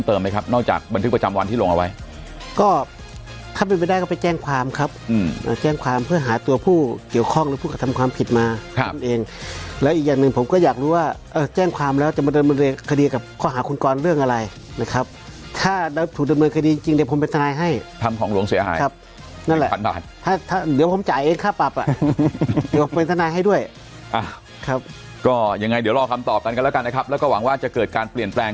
ถ้าไม่ได้ก็ไปแจ้งความครับอืมเอาแจ้งความเพื่อหาตัวผู้เกี่ยวข้องและผู้กระทำความผิดมาครับตัวเองแล้วอีกอย่างหนึ่งผมก็อยากรู้ว่าเออแจ้งความแล้วจะมาดำเนินคดีกับข้อหาคุณกรเรื่องอะไรนะครับถ้าถูกดำเนินคดีจริงจริงเดี๋ยวผมเป็นทนายให้ทำของหลวงเสียหายครับนั่นแหละพันบาทถ้าถ้าเดี๋ยวผม